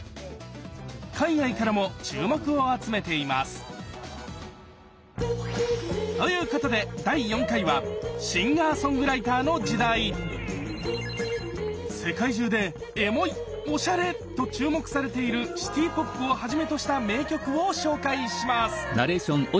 海外からも注目を集めています！ということで世界中で「エモい」「おしゃれ」と注目されているシティーポップをはじめとした名曲を紹介します。